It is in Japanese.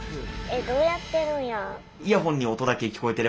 えっどうやってるんや。